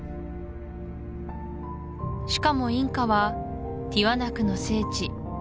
しかもインカはティワナクの聖地